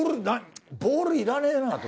ボールいらねえなと。